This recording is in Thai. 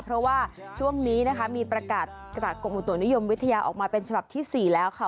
เพราะว่าช่วงนี้นะคะมีประกาศจากกรมอุตุนิยมวิทยาออกมาเป็นฉบับที่๔แล้วค่ะ